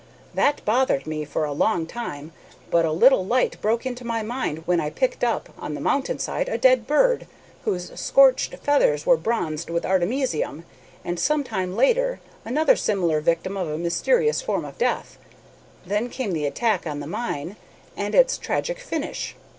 That bothered me for a long time, but a little light broke into my mind when I picked up, on the mountain side, a dead bird, whose scorched feathers were bronzed with artemisium, and sometime later another similar victim of a mysterious form of death. Then came the attack on the mine and its tragic finish.